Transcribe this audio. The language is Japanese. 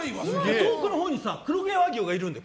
遠くのほうに黒毛和牛がいるんだよ。